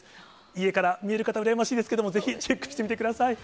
家から見える方、羨ましいですけども、ぜひチェックしてみてください。